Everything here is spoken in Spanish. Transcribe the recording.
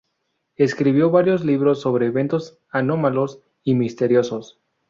Escribió varios libros sobre eventos anómalos y misteriosos.